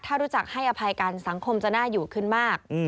ถ้ารู้จักให้อภัยกันสังคมจะน่าอยู่ขึ้นมาก